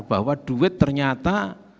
bahwa duit ternyata